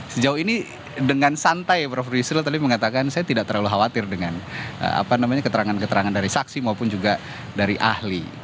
sejauh ini dengan santai prof yusril tadi mengatakan saya tidak terlalu khawatir dengan keterangan keterangan dari saksi maupun juga dari ahli